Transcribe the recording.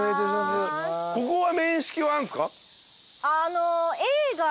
ここは。